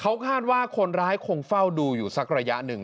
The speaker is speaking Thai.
เขาคาดว่าคนร้ายคงเฝ้าดูอยู่สักระยะหนึ่ง